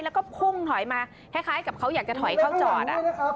แล้วก็พุ่งถอยมาคล้ายกับเขาอยากจะถอยเข้าจอด